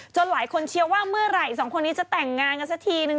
หลายคนเชียร์ว่าเมื่อไหร่สองคนนี้จะแต่งงานกันสักทีนึง